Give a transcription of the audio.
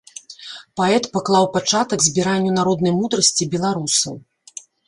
Паэт паклаў пачатак збіранню народнай мудрасці беларусаў.